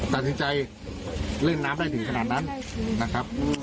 ตัดสินใจเล่นน้ำได้ถึงขนาดนั้นนะครับ